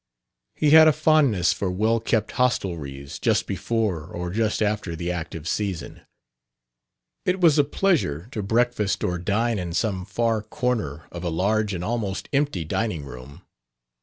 He had a fondness for well kept hostelries just before or just after the active season. It was a pleasure to breakfast or dine in some far corner of a large and almost empty dining room.